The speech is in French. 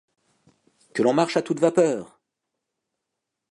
Que l’on marche à toute vapeur!